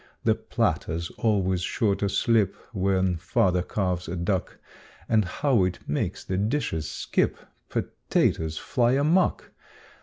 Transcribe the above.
The platter's always sure to slip When Father carves a duck. And how it makes the dishes skip! Potatoes fly amuck!